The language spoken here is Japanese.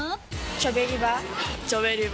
チョベリバ。